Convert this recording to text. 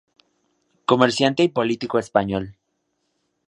Comerciante y político español.